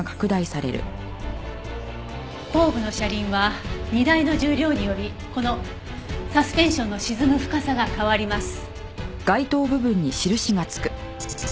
後部の車輪は荷台の重量によりこのサスペンションの沈む深さが変わります。